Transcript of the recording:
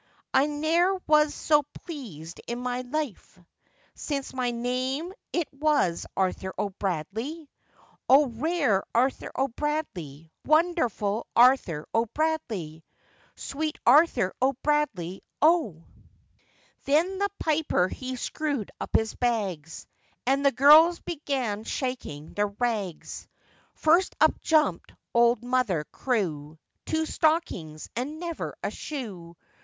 I ne'er was so pleased in my life, Since my name it was Arthur O'Bradley!' O! rare Arthur O'Bradley! wonderful Arthur O'Bradley! Sweet Arthur O'Bradley, O! Then the piper he screwed up his bags, And the girls began shaking their rags; First up jumped old Mother Crewe, Two stockings, and never a shoe.